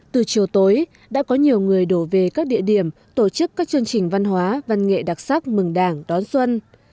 từ chiều tối đã có nhiều người đổ về các địa điểm tổ chức các chương trình văn hóa văn nghệ đặc sắc mừng đảng đón xuân